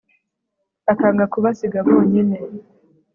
akanga kubasiga bonyine